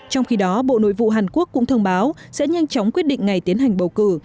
trong khi đó bộ nội vụ hàn quốc cũng thông báo sẽ nhanh chóng quyết định ngày tiến hành bầu cử